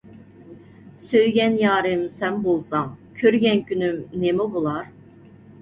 سۆيگەن يارىم سەن بولساڭ، كۆرگەن كۈنۈم نىمە بولار.